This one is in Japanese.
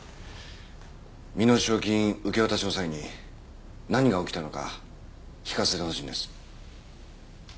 身代金受け渡しの際に何が起きたのか聞かせてほしいんです。